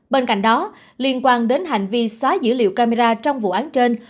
bên cạnh đó liên quan đến hành vi xóa dữ liệu camera trong vụ án trên